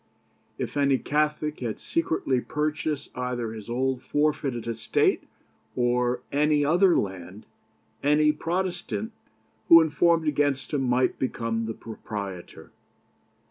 If any Catholic had secretly purchased either his old forfeited estate, or any other land, any Protestant who informed against him might become the proprietor.